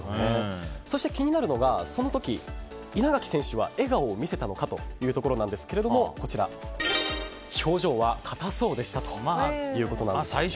そして、気になるのがその時、稲垣選手は笑顔を見せたのかということですが表情は硬そうでしたということなんです。